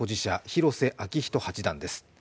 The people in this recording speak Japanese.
広瀬章人八段です。